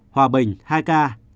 hòa bình hai ca